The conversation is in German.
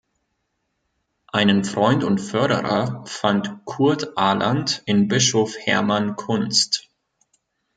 Einen Freund und Förderer fand Kurt Aland in Bischof Hermann Kunst.